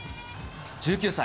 １９歳。